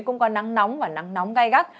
cũng có nắng nóng và nắng nóng gai gắt